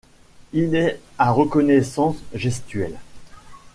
Il est à reconnaissance gestuelle.